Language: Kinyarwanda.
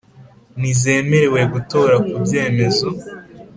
Ntizemerewe gutora ku byemezo